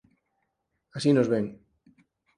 Así nos ven.